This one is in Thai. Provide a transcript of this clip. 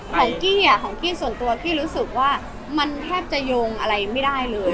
กี้ของกี้ส่วนตัวกี้รู้สึกว่ามันแทบจะโยงอะไรไม่ได้เลย